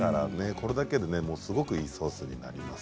これだけですごくいいソースになります。